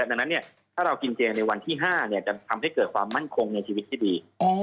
ดังนั้นถ้าเรากินเจในวันที่๕จะทำให้เกิดความมั่นคงในชีวิตที่ดี